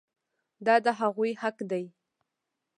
دا د هغوی حق دی.